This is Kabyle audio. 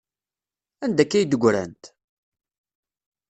Anda akka ay d-ggrant?